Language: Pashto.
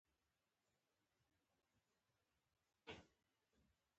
د معلوماتو راټولول او لیکنه.